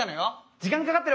時間かかってるわけ。